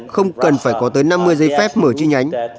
không cần phải có tới năm mươi giấy phép mở chi nhánh